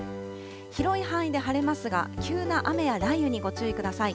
広い範囲で晴れますが、急な雨や雷雨にご注意ください。